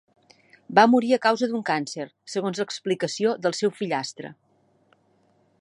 Va morir a causa d'un càncer, segons explicació del seu fillastre.